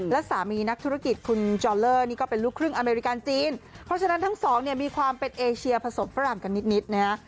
และสามีนักธุรกิจคุณจอลเลอร์นี่ก็เป็นลูกครึ่งอเมริกาจีนเพราะฉะนั้นทั้งสองเนี่ยมีความเป็นเอเชียผสมฝรั่งกันนิดนะฮะ